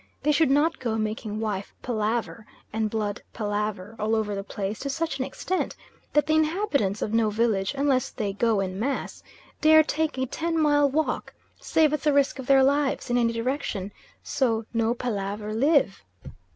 They should not go making wife palaver, and blood palaver all over the place to such an extent that the inhabitants of no village, unless they go en masse, dare take a ten mile walk, save at the risk of their lives, in any direction, so no palaver live.